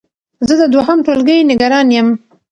زه د دوهم ټولګی نګران يم